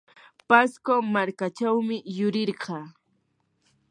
pasco markachawmi yurirqaa.